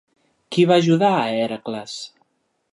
Qui va ajudar a Hèracles?